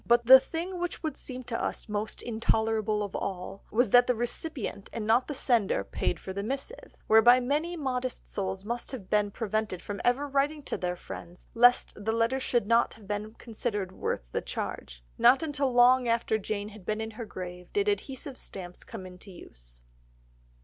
But the thing which would seem to us most intolerable of all, was that the recipient and not the sender paid for the missive, whereby many modest souls must have been prevented from ever writing to their friends lest the letter should not be considered worth the charge. Not until long after Jane had been in her grave did adhesive stamps come into use.